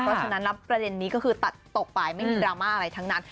เพราะฉะนั้นประเด็นนี้ก็คือตัดตกไปไม่มีดราม่าอะไรทั้งนั้น